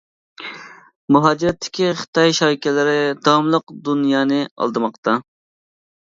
مۇھاجىرەتتىكى خىتاي شايكىلىرى داۋاملىق دۇنيانى ئالدىماقتا.